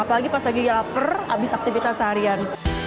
apalagi pas lagi ya per habis aktivitas seharian